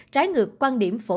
trái ngược quan điểm phổ biến